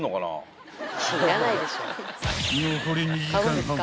［残り２時間半